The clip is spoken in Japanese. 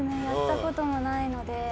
やったこともないので。